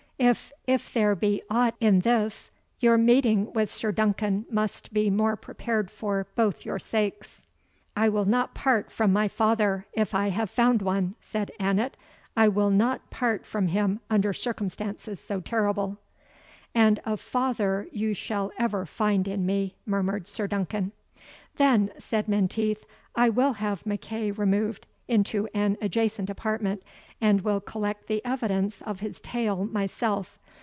if if there be aught in this, your meeting with Sir Duncan must be more prepared for both your sakes." "I will not part from my father, if I have found one!" said Annot "I will not part from him under circumstances so terrible." "And a father you shall ever find in me," murmured Sir Duncan. "Then," said Menteith, "I will have MacEagh removed into an adjacent apartment, and will collect the evidence of his tale myself.